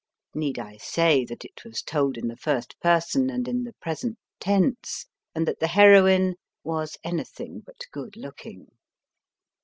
Need I say that it was told in the first person and in the present tense, and that the heroine was anything but good looking